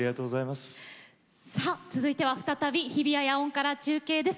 続いては、再び日比谷野音から中継です。